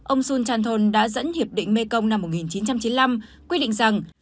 ông sun chanthol đã dẫn hiệp định mekong năm một nghìn chín trăm chín mươi năm quy định rằng